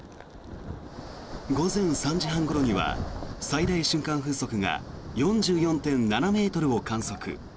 午前３時半ごろには最大瞬間風速が４４．７ｍを観測。